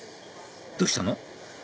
どうしたの？